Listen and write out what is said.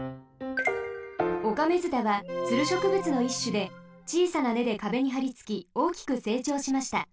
オカメヅタはツルしょくぶつのいっしゅでちいさなねでかべにはりつきおおきくせいちょうしました。